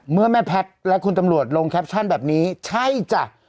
แม่แพทย์และคุณตำรวจลงแคปชั่นแบบนี้ใช่จ้ะ